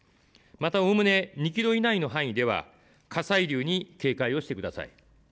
また、おおむね２キロ以内の範囲では火砕流に警戒をしてください。